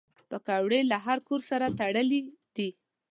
پکورې له هر کور سره تړلي دي